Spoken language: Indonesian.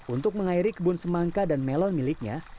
untuk mengairi kebun semangka dan melon miliknya